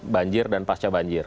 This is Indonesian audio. banjir dan pasca banjir